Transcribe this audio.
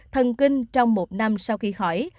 thần kinh trong một năm sau khi khỏi